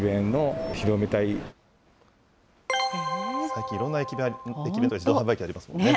最近、いろんな駅弁、自動販売機ありますもんね。